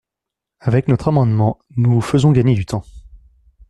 Avec notre amendement, nous vous faisons gagner du temps.